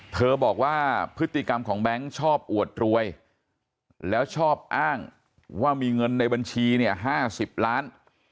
เธอบอกว่าพฤติกรรมของแบงค์ชอบอวดรวยแล้วชอบอ้างว่ามีเงินในบัญชีเนี่ย๕๐ล้าน